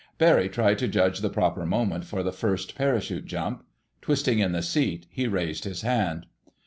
Barry tried to judge the proper moment for the first parachute jump. Twisting in the seat, he raised his hand.